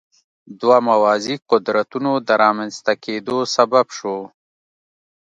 دوه موازي قدرتونو د رامنځته کېدو سبب شو.